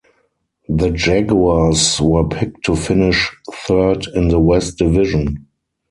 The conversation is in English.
The Jaguars were picked to finish third in the West Division.